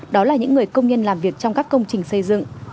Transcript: đó là những người công nhân làm việc trong các công trình xây dựng